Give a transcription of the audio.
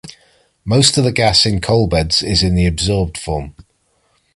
Most of the gas in coal beds is in the adsorbed form.